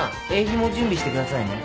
鋭匙も準備してくださいね。